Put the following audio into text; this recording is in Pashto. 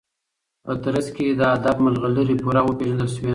په ترڅ کي د ادب د مرغلرو پوره او پیژندل شوي